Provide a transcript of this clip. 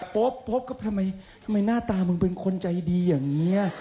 โป๊บก็ปึ่งไมท้าตามึงเป็นคนใจดีอย่างเงี้ย